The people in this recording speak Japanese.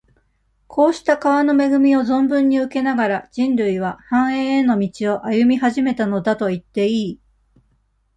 こうした川の恵みを存分に受けながら、人類は、繁栄への道を、歩み始めたのだといっていい。